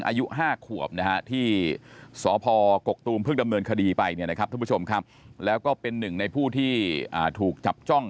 อายุ๕ขวบที่สพกกตูมเพิ่งดำเนินคดีไปแล้วก็เป็น๑ในผู้ที่ถูกจับจ้อง